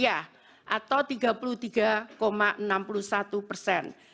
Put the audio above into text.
atau rp tiga puluh tiga enam ratus sebelas